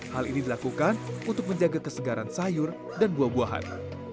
hal ini dilakukan untuk menjaga kesegaran sayur dan buah buahan